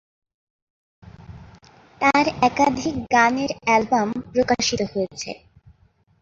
তার একাধিক গানের অ্যালবাম প্রকাশিত হয়েছে।